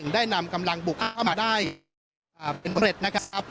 ได้นำกำลังบุกเข้ามาได้เป็นเร็ดนะครับ